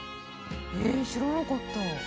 えっ知らなかった。